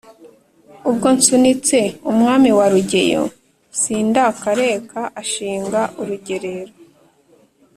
Ubwo nsunitse umwami wa Rugeyo, sindakareka ashinga urugerero,